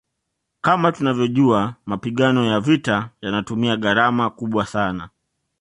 Kama tunavyojua mapigano ya vita yanatumia gharama kubwa sana